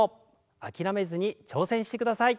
諦めずに挑戦してください。